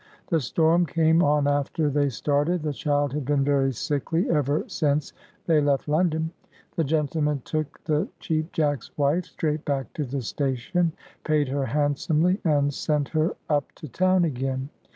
The storm came on after they started. The child had been very sickly ever since they left London. The gentleman took the Cheap Jack's wife straight back to the station, paid her handsomely, and sent her up to town again.